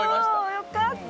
お、よかった。